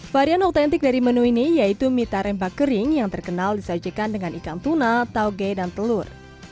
varian otentik dari menu ini yaitu mita rempa kering yang terkenal disajikan dengan ikan tuna tauge dan telur